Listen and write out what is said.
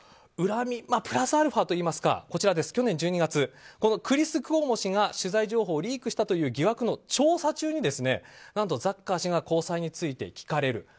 恨みプラスアルファといいますか去年１２月、クリス・クオモ氏が取材情報をリークしたという疑惑の調査中に何とザッカー氏が交際について聞かれる。